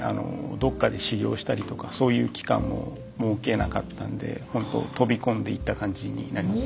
どっかで修業したりとかそういう期間も設けなかったんでほんと飛び込んでいった感じになります。